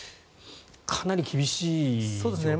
かなり厳しい状況ですね。